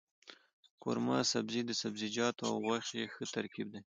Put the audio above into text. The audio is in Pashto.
قورمه سبزي د سبزيجاتو او غوښې ښه ترکیب دی.